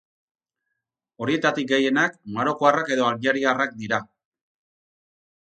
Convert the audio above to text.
Horietatik gehienak marokoarrak edo aljeriarrak dira.